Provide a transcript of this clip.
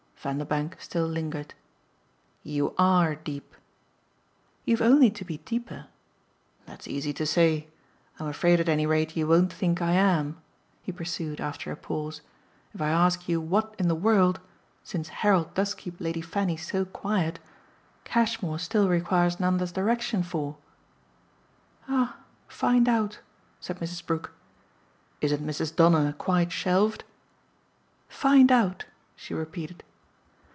Vanderbank still lingered. "You ARE deep!" "You've only to be deeper." "That's easy to say. I'm afraid at any rate you won't think I am," he pursued after a pause, "if I ask you what in the world since Harold does keep Lady Fanny so quiet Cashmore still requires Nanda's direction for." "Ah find out!" said Mrs. Brook. "Isn't Mrs. Donner quite shelved?" "Find out," she repeated.